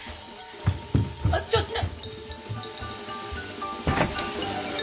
あっちょっと。